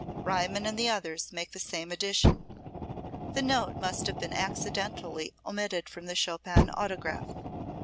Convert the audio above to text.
Riemann and the others make the same addition. The note must have been accidentally omitted from the Chopin autograph.